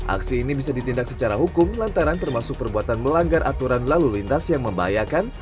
aksi ini bisa ditindak secara hukum lantaran termasuk perbuatan melanggar aturan lalu lintas yang membahayakan